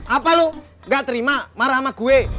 apa lo gak terima marah sama gue